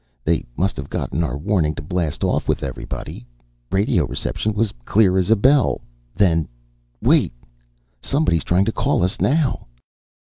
They must have gotten our warning to blast off with everybody. Radio reception was clear as a bell, then!... Wait! Somebody's trying to call us now...."